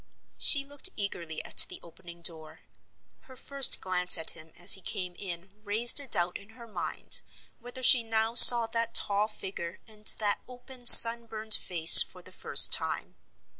She looked eagerly at the opening door. Her first glance at him as he came in raised a doubt in her mind whether she now saw that tall figure and that open sun burned face for the first time.